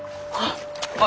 あっ！